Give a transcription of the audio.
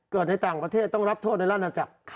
ในต่างประเทศต้องรับโทษในราชนาจักร